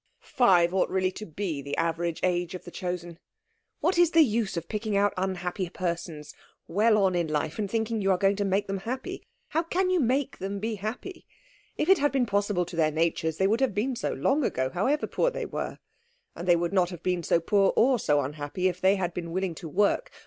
"Five ought really to be the average age of the Chosen. What is the use of picking out unhappy persons well on in life, and thinking you are going to make them happy? How can you make them be happy? If it had been possible to their natures they would have been so long ago, however poor they were. And they would not have been so poor or so unhappy if they had been willing to work.